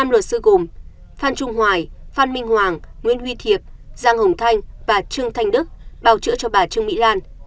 năm luật sư gồm phan trung hoài phan minh hoàng nguyễn huy thiệp giang hồng thanh và trương thanh đức bảo chữa cho bà trương mỹ lan